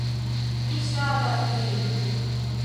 Mi ŝatas vin.